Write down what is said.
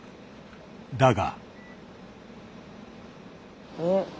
だが。